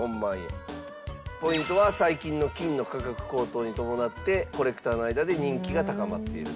ポイントは最近の金の価格高騰に伴ってコレクターの間で人気が高まっていると。